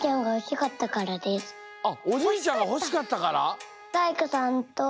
あっおじいちゃんがほしかったから？